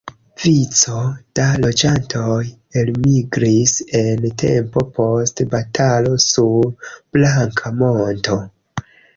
Vico da loĝantoj elmigris en tempo post batalo sur Blanka monto.